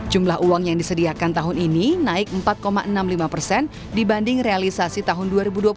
jumlah uang yang disediakan tahun ini naik empat enam puluh lima persen dibanding realisasi tahun dua ribu dua puluh satu